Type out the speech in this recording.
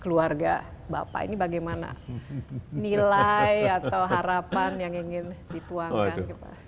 keluarga bapak ini bagaimana nilai atau harapan yang ingin dituangkan